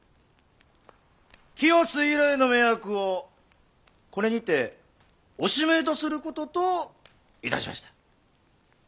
清須以来の盟約をこれにておしめえとすることといたしました。